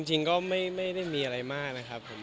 จริงก็ไม่ได้มีอะไรมากนะครับผม